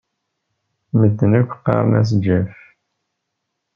Medden akk ɣɣaren-as Jeff.